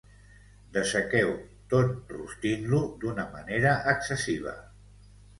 Dessequeu, tot rostint-lo d'una manera excessiva.